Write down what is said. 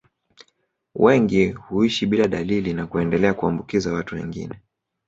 Wengi huishi bila dalili na kuendelea kuambukiza watu wengine